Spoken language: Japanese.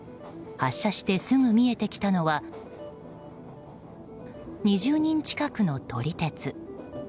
発車してすぐ見えてきたのは２０人近くの撮り鉄。